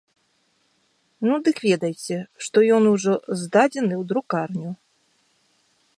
Ну дык ведайце, што ён ужо здадзены ў друкарню.